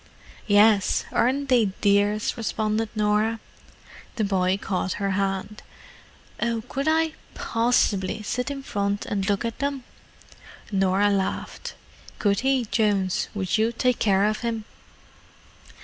"Yes—aren't they dears?" responded Norah. The boy caught her hand. "Oh—could I possibly sit in front and look at them?" Norah laughed. "Could he, Jones? Would you take care of him?"